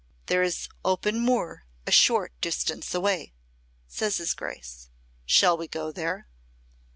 "There is open moor a short distance away," says his Grace. "Shall we go there?"